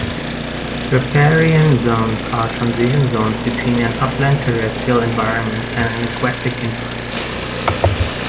Riparian zones are transition zones between an upland terrestrial environment and an aquatic environment.